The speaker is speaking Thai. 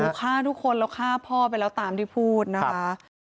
ฆ่าทุกคนแล้วฆ่าพ่อไปแล้วตามที่พูดนะคะ